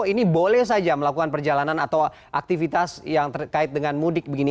ini boleh saja melakukan perjalanan atau aktivitas yang terkait dengan mudik begini